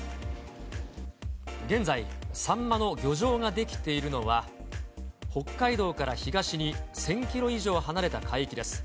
現在、サンマの漁場ができているのは、北海道から東に１０００キロ以上離れた海域です。